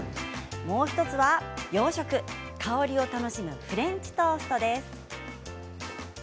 もう１つは洋食、香りを楽しむフレンチトーストです。